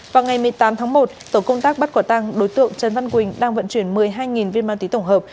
vào ngày một mươi tám tháng một tổ công tác bắt quả tăng đối tượng trần văn quỳnh đang vận chuyển một mươi hai viên ma túy tổng hợp